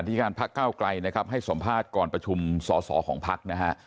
ที่การพักเก้าไกลนะครับให้สัมภาษณ์ก่อนประชุมสอสอของพักนะฮะ